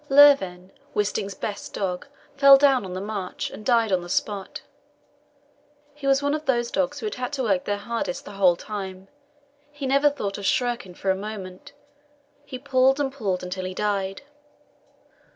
Lurven, Wisting's best dog, fell down on the march, and died on the spot. He was one of those dogs who had to work their hardest the whole time; he never thought of shirking for a moment; he pulled and pulled until he died.